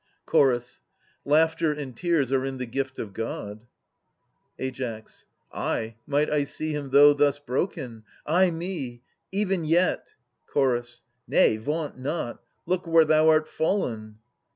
Ch. Laughter and tears are in the gift of God. Ai. Ay, might I see him, though thus broken, — ay me ! Even yet — Ch. Nay, vaunt not. Look where thou art fallen.